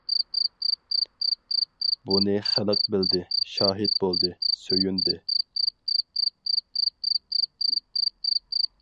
بۇنى خەلق بىلدى، شاھىت بولدى، سۆيۈندى.